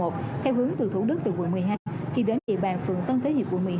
theo hướng từ thủ đức từ quận một mươi hai khi đến địa bàn phường tân thế hiệp quận một mươi hai